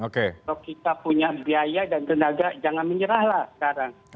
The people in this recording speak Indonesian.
kalau kita punya biaya dan tenaga jangan menyerahlah sekarang